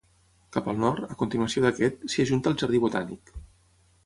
Cap al nord, a continuació d'aquest, s'hi ajunta el jardí botànic.